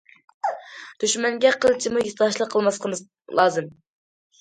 دۈشمەنگە قىلچىمۇ ھېسداشلىق قىلماسلىقىمىز لازىم.